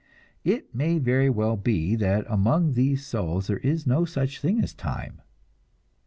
It may very well be that among these souls there is no such thing as time.